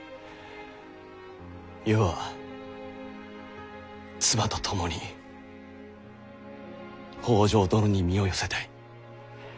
余は妻と共に北条殿に身を寄せたい。